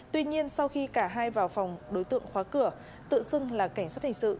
tuy nhiên sau khi cả hai vào phòng đối tượng khóa cửa tự xưng là cảnh sát hình sự